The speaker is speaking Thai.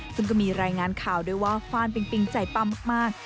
ซึ่งก็มีรายงานข่าวด้วยว่าฟ่านปิงปิงใจปั้มมาก